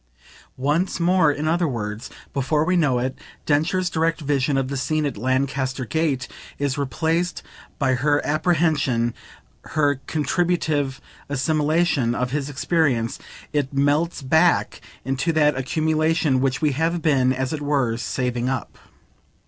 Once more, in other words, before we know it, Densher's direct vision of the scene at Lancaster Gate is replaced by her apprehension, her contributive assimilation, of his experience: it melts back into that accumulation, which we have been, as it were, saving up.